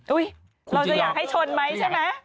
เราจะอยากให้ชนไหมใช่ไหม